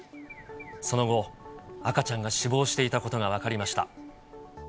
その後、赤ちゃんが死亡していたことが分かりました。